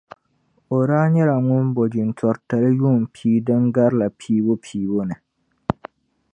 O daa nyɛla ŋun bo jintori tali yuun' pia din garila piibu piibu ni.